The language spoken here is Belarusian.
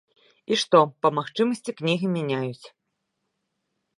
І што, па магчымасці, кнігі мяняюць.